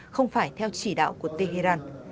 không phải theo chỉ đạo của tehran